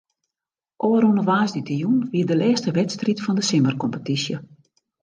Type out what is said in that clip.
Ofrûne woansdeitejûn wie de lêste wedstriid fan de simmerkompetysje.